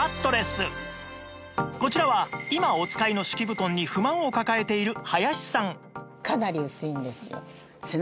こちらは今お使いの敷き布団に不満を抱えている林さん